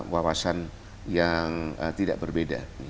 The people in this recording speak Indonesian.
wawasan yang tidak berbeda